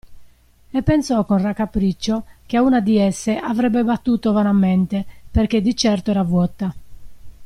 E pensò con raccapriccio che a una di esse avrebbe battuto vanamente, perché di certo era vuota.